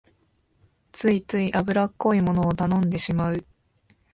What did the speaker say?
ついつい油っこいものを頼んでしまう